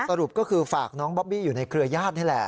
สรุปก็คือฝากน้องบอบบี้อยู่ในเครือญาตินี่แหละ